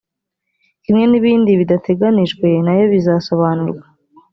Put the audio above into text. kimwe n bindi bidateganijwe nayo bizasobanurwa